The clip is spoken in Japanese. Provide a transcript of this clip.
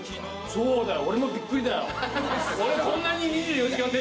そうだよ！